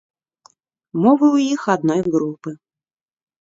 Мовы ў іх адной групы.